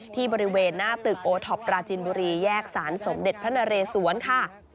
ที่บริเวณหน้าตึกโอท็อปปราจินบุรีแยกสารสมเด็จพระนเรสวนค่ะ